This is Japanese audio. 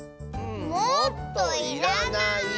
もっといらない。